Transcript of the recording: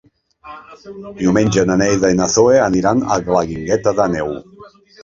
Diumenge na Neida i na Zoè aniran a la Guingueta d'Àneu.